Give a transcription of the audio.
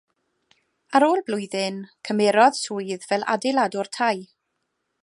Ar ôl blwyddyn, cymerodd swydd fel adeiladwr tai.